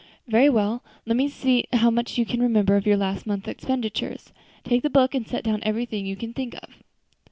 "Very well. Let me see now how much you can remember of your last month's expenditures. Take the book and set down everything you can think of."